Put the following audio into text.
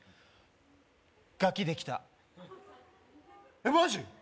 ガキできたえっマジ？